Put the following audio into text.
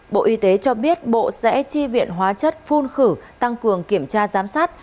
bộ y tế cho biết bộ sẽ chi viện hóa chất phun khử tăng cường kiểm tra giám sát